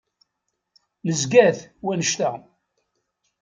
Negza-t wannect-a.